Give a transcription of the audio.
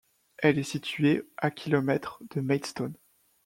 Elle est située à kilomètres de Maidstone.